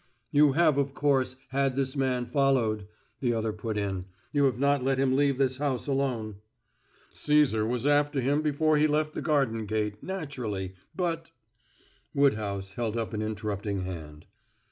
"You have, of course, had this man followed," the other put in. "You have not let him leave this house alone." "Cæsar was after him before he left the garden gate naturally. But " Woodhouse held up an interrupting hand.